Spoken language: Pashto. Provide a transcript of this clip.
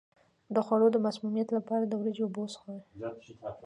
د خوړو د مسمومیت لپاره د وریجو اوبه وڅښئ